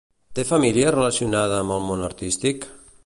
Té família relacionada amb el món artístic?